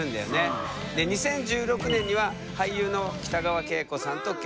２０１６年には俳優の北川景子さんと結婚。